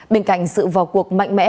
bên cạnh sự vào cuộc mạnh mẽ